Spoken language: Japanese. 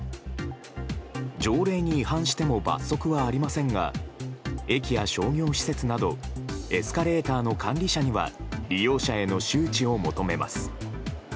条例に違反しても罰則はありませんが駅や商業施設などエスカレーターの管理者には利用者への周知を求めます。